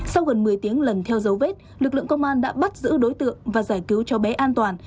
sau gần một mươi tiếng lần theo dấu vết lực lượng công an đã bắt giữ đối tượng và giải cứu cháu bé an toàn